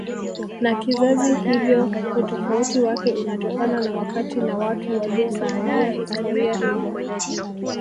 na kizazi hivyo utofauti wake unatokana na wakati na watu waliyosimulia historia hizo